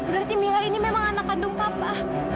berarti mila ini memang anak kandung papah